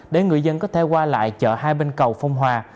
để người dân có thể qua lại chợ hai bên cầu phong hòa